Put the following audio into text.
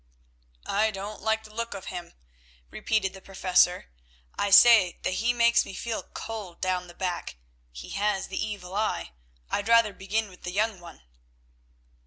"I don't like the look of him," repeated the Professor. "I say that he makes me feel cold down the back—he has the evil eye; I'd rather begin with the young one."